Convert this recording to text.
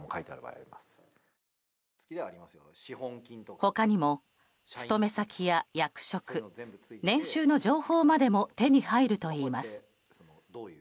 他にも、勤め先や役職年収の情報までも手に入るといいます。